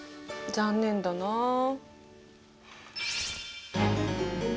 残念だなあ。